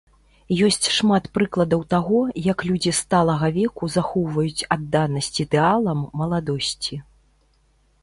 Ёсць шмат прыкладаў таго, як людзі сталага веку захоўваюць адданасць ідэалам маладосці.